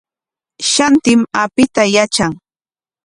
Shantim apita yatran.